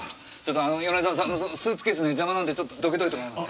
米沢さんスーツケースね邪魔なんでどけといてもらえますか？